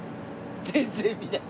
全然見ない。